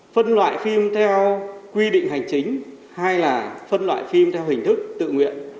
phân loại phim theo quy định hành chính hai là phân loại phim theo hình thức tự nguyện